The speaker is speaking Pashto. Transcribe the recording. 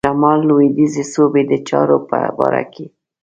شمال لوېدیځي صوبې د چارو په باره کې.